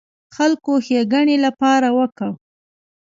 خلکو ښېګڼې لپاره وکړ.